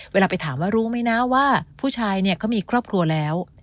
เวลาไปถามว่ารู้ไหมนะว่าผู้ชายเนี่ยเขามีครอบครัวแล้ว